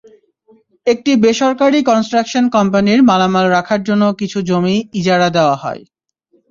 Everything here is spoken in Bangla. একটি বেসরকারি কনস্ট্রাকশন কোম্পানির মালামাল রাখার জন্য কিছু জমি ইজারা দেওয়া হয়।